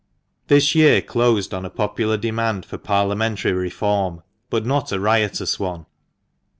This year closed on a popular demand for Parliamentary reform, but not a riotous one.